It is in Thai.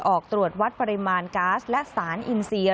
ออกตรวจวัดปริมาณก๊าซและสารอินเซีย